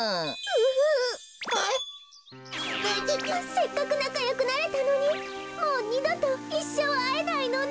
せっかくなかよくなれたのにもうにどといっしょうあえないのね。